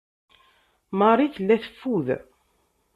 Marie tella teffud.